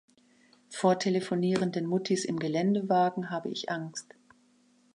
Vor telefonierenden Muttis im Geländewagen habe ich Angst.